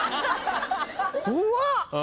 怖っ！